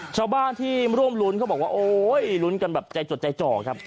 ชาวบ้านที่ร่วมรุ้นเขาบอกว่าโอ้ยลุ้นกันแบบใจจดใจจ่อครับ